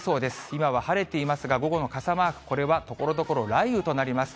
今は晴れていますが、午後の傘マーク、これはところどころ、雷雨となります。